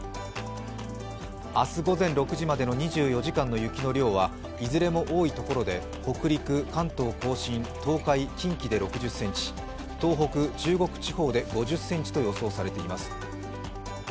明日午前６時までの２４時間の雪の量はいずれも多いところで北陸、関東甲信、東海、近畿で６０ｃｍ東北、中国地方で５０ｃｍと予報されています。